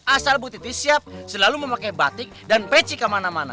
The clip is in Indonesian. asal bu titius siap selalu mau pakai batik dan peci kemana mana